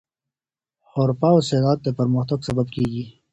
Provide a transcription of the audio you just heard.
حرفه او صنعت د پرمختګ سبب کیږي.